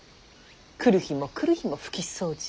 来る日も来る日も拭き掃除。